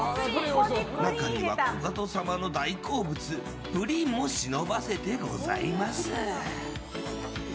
中にはコカド様の大好物プリンも忍ばせてございます。